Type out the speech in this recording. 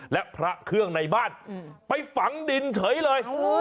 และพระเครื่องในบ้านไปฝังดินเฉยเลย